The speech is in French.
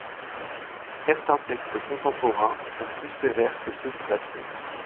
Certains textes contemporains sont plus sévères que ceux du passé.